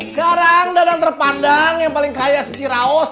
sekarang dadang terpandang yang paling kaya seciraus